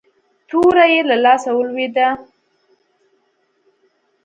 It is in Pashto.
توره يې له لاسه ولوېده.